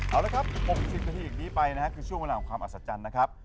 เอาละครับ๖๐นาทีอย่างนี้ไปนะครับคือช่วงเวลาของความอัศจรรย์นะครับ